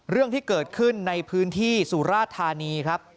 เรื่องที่เกิดขึ้นในพื้นที่สุราธานีครับ